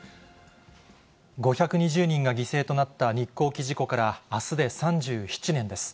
５２０人が犠牲となった日航機事故から、あすで３７年です。